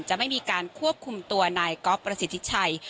จะไม่มีการควบคุมตัวนายก๊อฟประสิทธิชัย